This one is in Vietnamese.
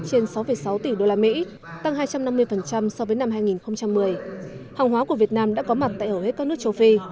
trên sáu sáu tỷ usd tăng hai trăm năm mươi so với năm hai nghìn một mươi hàng hóa của việt nam đã có mặt tại hầu hết các nước châu phi